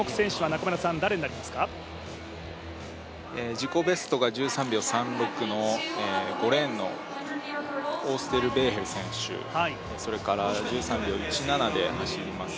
自己ベストが１３秒３６の５レーンのオーステルベーヘル選手、それから１３秒１７で走ります